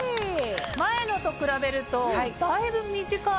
前のと比べるとだいぶ短い。